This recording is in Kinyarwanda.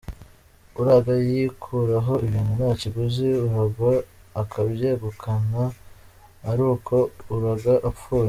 Uraga yikuraho ibintu nta kiguzi, uragwa akabyegukana ari uko uraga apfuye.